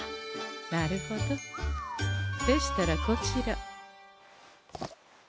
なるほどでしたらこちら。